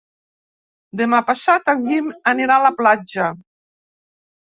Demà passat en Guim anirà a la platja.